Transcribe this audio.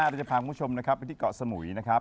เราจะพาคุณผู้ชมนะครับไปที่เกาะสมุยนะครับ